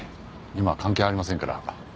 今は関係ありませんから。